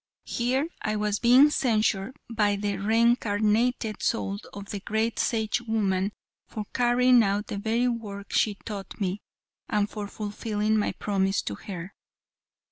Here I was being censured by the reincarnated soul of the great Sage woman for carrying out the very work she taught me, and for fulfilling my promise to her.